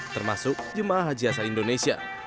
termasuk jemaah haji asal indonesia